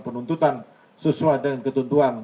penuntutan sesuai dengan ketentuan